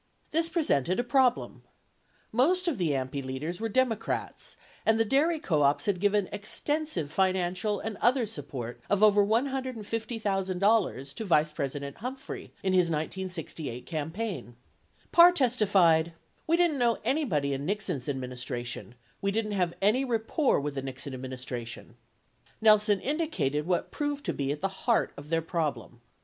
This presented a problem. Most of the AMPI leaders were Demo crats, and the dairy co ops had given extensive financial and other support of over $150,000 to Vice President Humphrey in his 1968 campaign. 25 Parr testified: "We didn't know anybody in Nixon's ad ministration ... We didn't have any rapport wi th the Nixon admin istration." 26 Nelson indicated what proved to be at the heart of their problem.